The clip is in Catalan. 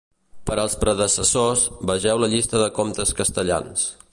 Per als predecessors, vegeu la llista de comptes castellans.